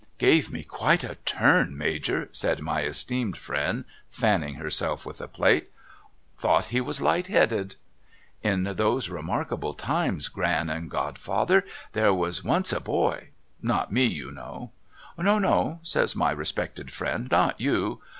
' Gave me quite a turn, Major,' said my esteemed friend, fanning herself with a plate. ' Tliought he was light headed !'' In those remarkable times, Gran and godfather, there was once a boy, — not me, you know.' ' No, no,' says my respected friend, ' not you.